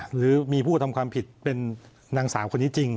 หรือมีผู้ทำผิดเป็นนางสาวละ